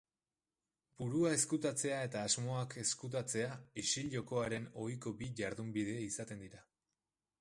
Burua ezkutatzea eta asmoak ezkutatzea isil-jokoaren ohiko bi jardunbide izaten dira.